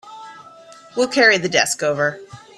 We'll carry the desk over.